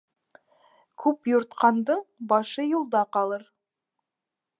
Күп юртҡандың башы юлда ҡалыр.